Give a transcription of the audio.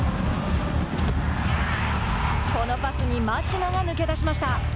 このパスに町野が抜け出しました。